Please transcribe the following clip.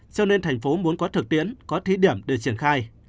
cho nên thành phố muốn có thực tiễn có thí điểm để triển khai